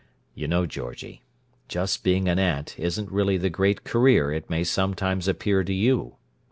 You know, Georgie, just being an aunt isn't really the great career it may sometimes appear to you!